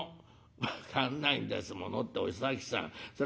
「分かんないんですものってお崎さんそら